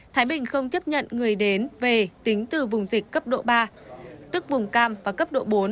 thái bình không chấp nhận người đến về tính từ vùng dịch cấp độ ba tức vùng cam và cấp độ bốn